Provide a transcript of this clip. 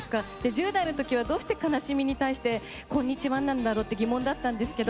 １０代の時はどうして悲しみに対して「こんにちは」なんだろうって疑問だったんですけど